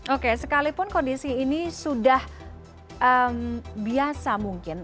oke sekalipun kondisi ini sudah biasa mungkin